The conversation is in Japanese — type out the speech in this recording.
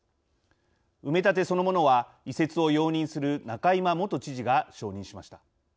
埋め立てそのものは移設を容認する仲井真元知事が承認しました。